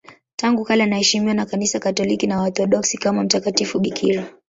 Tangu kale anaheshimiwa na Kanisa Katoliki na Waorthodoksi kama mtakatifu bikira.